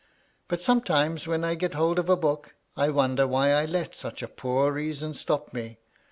But sometimes, when I get hold of a book, I wonder why I let such a poor reason stop me.